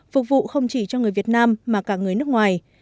phục vụ không chỉ cho người việt nam mà cả người nước ngoài